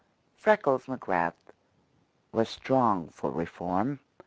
Freckles McGrath was strong for reform.